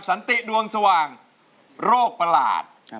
สันติดวงสว่างโรคประหลาด